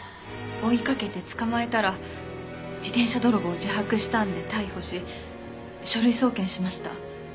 追いかけて捕まえたら自転車泥棒を自白したんで逮捕し書類送検しました。